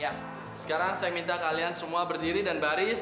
ya sekarang saya minta kalian semua berdiri dan baris